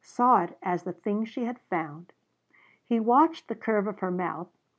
Saw it as the thing she had found. He watched the curve of her mouth.